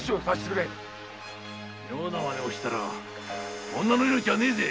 妙なマネしたら女の命はねぇぜ。